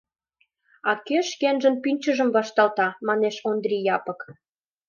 — А кӧ шкенжын пӱнчыжым вашталта? — манеш Ондри Япык.